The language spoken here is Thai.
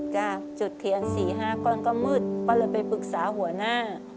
จุดเทียน๔๕ก้อนก็มืดก็เลยไปปรึกษาหัวหน้า